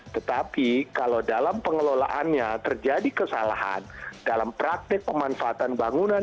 tetapi kalau dalam pengelolaannya terjadi kesalahan dalam praktik pemanfaatan bangunan